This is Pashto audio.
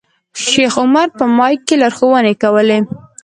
شیخ عمر په مایک کې لارښوونې کولې.